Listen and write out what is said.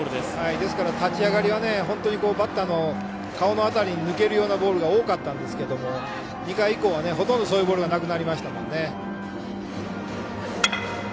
ですから、立ち上がりは本当にバッターの顔の辺りに抜けるようなボールが多かったんですが２回以降はほとんどそういうボールはなくなりました。